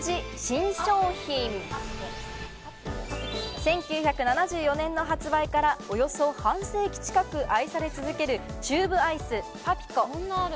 １９７４年の発売からおよそ半世紀近く愛され続けるチューブアイス、パピコ。